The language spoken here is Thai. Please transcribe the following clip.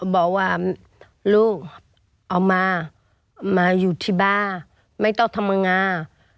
บอกว่าลูกเอามามาอยู่ที่บ้านไม่ต้องทำงาน